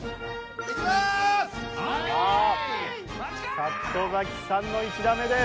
里崎さんの１打目です。